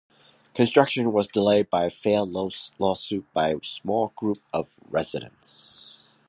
Construction was delayed by a failed lawsuit by a small group of residents.